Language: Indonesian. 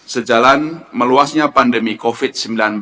sejalan meluasnya pandemi covid sembilan belas